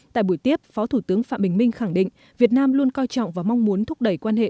tại buổi tiếp phó thủ tướng phạm bình minh khẳng định việt nam luôn coi trọng và mong muốn thúc đẩy quan hệ